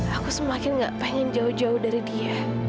aku semakin gak pengen jauh jauh dari dia